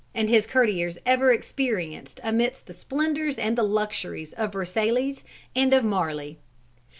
and his courtiers ever experienced amidst the splendors and the luxuries of Versailles and of Marly.